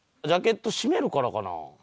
ジャケット閉めるからかな？